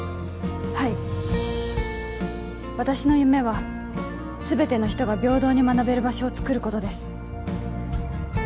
はい私の夢はすべての人が平等に学べる場所を作ることです